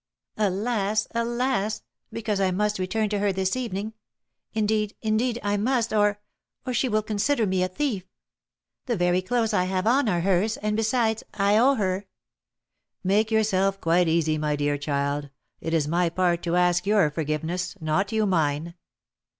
"Alas! alas! because I must return to her this evening; indeed, indeed, I must, or or she will consider me a thief. The very clothes I have on are hers, and, besides, I owe her " "Make yourself quite easy, my dear child; it is my part to ask your forgiveness, not you mine."